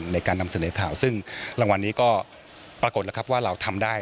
ในการนำเสนอข่าวซึ่งรางวัลนี้ก็ปรากฏแล้วครับว่าเราทำได้